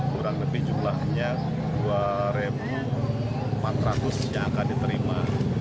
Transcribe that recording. kurang lebih jumlahnya dua empat ratus yang akan diterima